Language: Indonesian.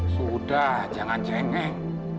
sudah jangan jengeng